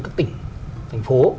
các tỉnh thành phố